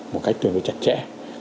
một cách tuyên bố chặt chẽ